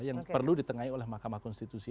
yang perlu di tengahin oleh mahkamah konstitusi